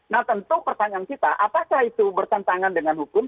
nah tentu pertanyaan kita apakah itu bertentangan dengan hukum